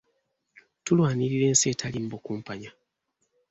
Tulwanirira ensi etalimu bukumpanya.